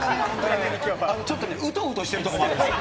ちょっとね、うとうとしてるところもあるんですよ。